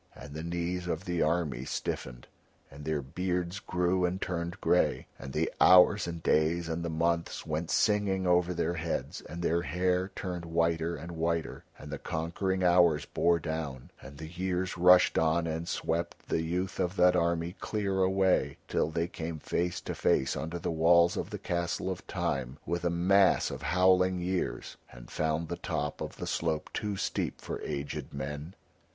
And the knees of the army stiffened, and their beards grew and turned grey, and the hours and days and the months went singing over their heads, and their hair turned whiter and whiter, and the conquering hours bore down, and the years rushed on and swept the youth of that army clear away till they came face to face under the walls of the castle of Time with a mass of howling years, and found the top of the slope too steep for aged men.